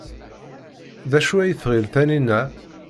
D acu ay tɣil Taninna?